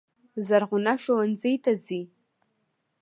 زرغونه ښوونځي ته ځي.